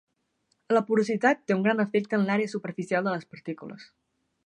La porositat té un gran efecte en l'àrea superficial de les partícules.